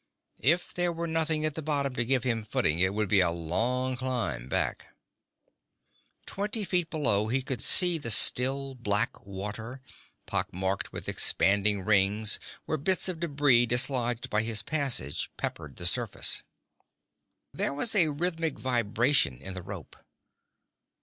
If there were nothing at the bottom to give him footing, it would be a long climb back ... Twenty feet below he could see the still black water, pockmarked with expanding rings where bits of debris dislodged by his passage peppered the surface. There was a rhythmic vibration in the rope.